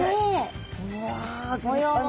うわギョ立派な。